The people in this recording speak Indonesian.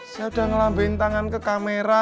saya udah ngelambiin tangan ke kamera